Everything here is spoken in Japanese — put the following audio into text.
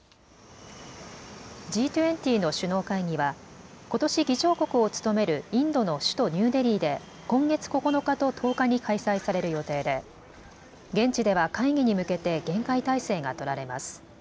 Ｇ２０の首脳会議はことし議長国を務めるインドの首都ニューデリーで今月９日と１０日に開催される予定で現地では会議に向けて厳戒態勢が取られます。